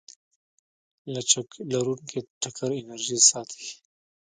لچک لرونکی ټکر انرژي ساتي.